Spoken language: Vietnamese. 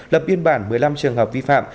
lập biên bản một mươi năm trường hợp vi phạm